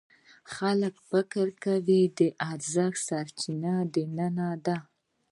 خلک فکر کوي د ارزښت سرچینه دننه ده.